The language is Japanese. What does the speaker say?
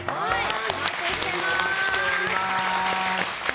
お待ちしてます。